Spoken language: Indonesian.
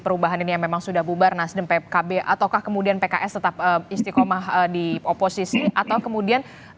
perubahan ini yang memang sudah bubar nasdem pkb ataukah kemudian pks tetap istiqomah di oposisi atau kemudian